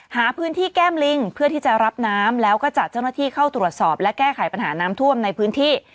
หาพื้นที่แก้มลิงเพื่อที่จะรับน้ำแล้วก็จัดเจ้าหน้าที่เข้าตรวจสอบและแก้ไขปัญหาน้ำท่วมในพื้นที่